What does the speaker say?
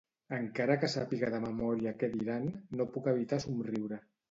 Encara que sàpiga de memòria què diran, no puc evitar somriure.